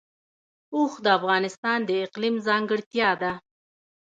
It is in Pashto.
اوښ د افغانستان د اقلیم ځانګړتیا ده.